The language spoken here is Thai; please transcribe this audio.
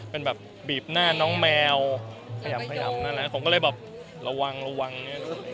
เป็นแบบบีบหน้าน้องแมวขยำขยำนั่นแหละผมก็เลยแบบระวังระวังเนี่ย